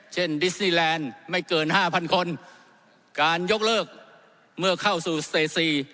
ดิสนีแลนด์ไม่เกินห้าพันคนการยกเลิกเมื่อเข้าสู่สเตซี